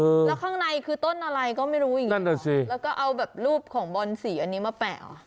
แล้วข้างในคือต้นอะไรก็ไม่รู้อย่างงีนั่นน่ะสิแล้วก็เอาแบบรูปของบอนสีอันนี้มาแปะเหรอ